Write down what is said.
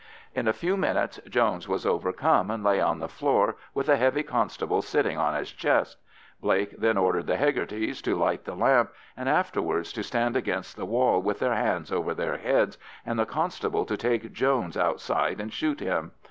In a few minutes Jones was overcome, and lay on the floor with a heavy constable sitting on his chest. Blake then ordered the Hegartys to light the lamp, and afterwards to stand against the wall with their hands over their heads, and the constables to take Jones outside and shoot him.